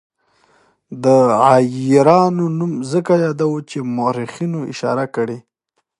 د عیارانو نوم ځکه یادوو چې مورخینو اشاره کړې.